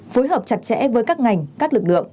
phối hợp chặt chẽ với các ngành các lực lượng